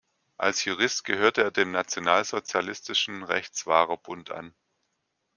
Als Jurist gehörte er dem Nationalsozialistischen Rechtswahrerbund an.